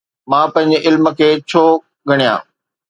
مان پنهنجي علم کي ڇو ڳڻيان؟